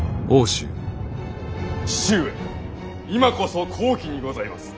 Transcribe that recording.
父上今こそ好機にございます！